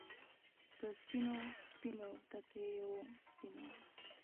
په سپینو، سپینو تتېو سپینو